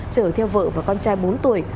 chở theo vợ và con trai bốn tuổi